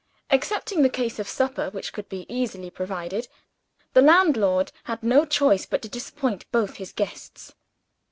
Excepting the case of supper, which could be easily provided, the landlord had no choice but to disappoint both his guests.